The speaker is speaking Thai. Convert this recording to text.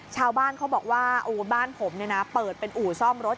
ชาวบ้านเขาบอกว่าบ้านผมเปิดเป็นอู๋ซ่อมรถ